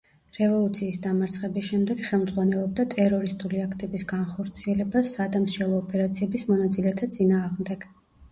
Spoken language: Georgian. რევოლუციის დამარცხების შემდეგ ხელმძღვანელობდა ტერორისტული აქტების განხორციელებას სადამსჯელო ოპერაციების მონაწილეთა წინააღმდეგ.